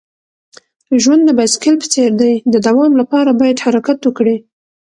ژوند د بایسکل په څیر دی. د دوام لپاره باید حرکت وکړې.